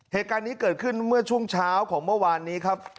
เหตุการณ์นี้เกิดขึ้นเมื่อช่วงเช้าของเมื่อวานนี้ครับ